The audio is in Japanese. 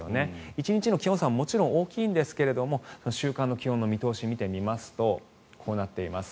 １日の気温差ももちろん大きいんですが週間の気温の見通しを見てみますとこうなっています。